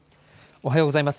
おはようございます。